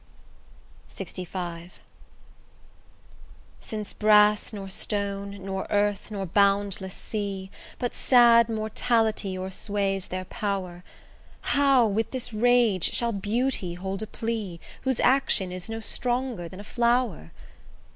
LXV Since brass, nor stone, nor earth, nor boundless sea, But sad mortality o'ersways their power, How with this rage shall beauty hold a plea, Whose action is no stronger than a flower?